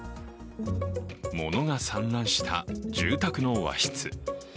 物が散乱した住宅の和室。